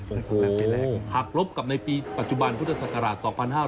โอ้โฮหักลบกับปีปัจจุบันภูเทศกราช๒๕๖๐